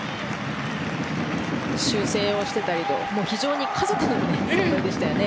修正をしてたりと非常に家族のような存在でしたね。